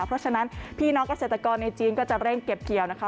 เพราะฉะนั้นพี่น้องเกษตรกรในจีนก็จะเร่งเก็บเกี่ยวนะคะ